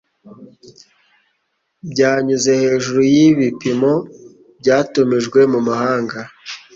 byanyuze hejuru y’ibipimo byatumijwe mu mahanga